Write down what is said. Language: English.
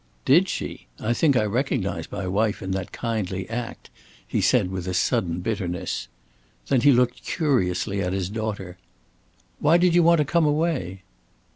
"Did she? I think I recognize my wife in that kindly act," he said, with a sudden bitterness. Then he looked curiously at his daughter. "Why did you want to come away?"